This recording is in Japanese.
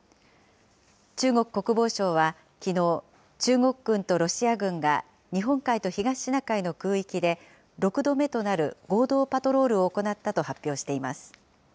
中国国防省はきのう、中国軍とロシア軍が日本海と東シナ海の空域で、６度目となる合同パトロールを行ったと発表しています。